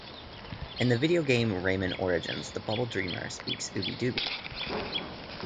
In the video game "Rayman Origins", the Bubble Dreamer speaks Ubbi Dubbi.